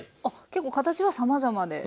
結構形はさまざまでね。